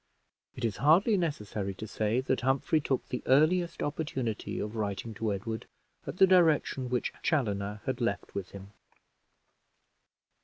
It is hardly necessary to say that Humphrey took the earliest opportunity of writing to Edward at the direction which Chaloner had left with him.